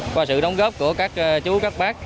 qua sự đóng góp của các chú các bác